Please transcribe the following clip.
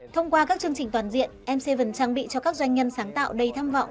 thông qua các chương trình toàn diện mcv trang bị cho các doanh nhân sáng tạo đầy tham vọng